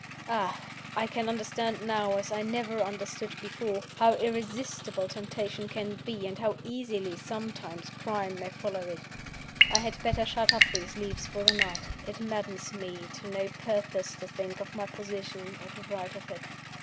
Ah! I can understand now, as I never understood before, how irresistible temptation can be, and how easily sometimes crime may follow it. I had better shut up these leaves for the night. It maddens me to no purpose to think of my position or to write of it."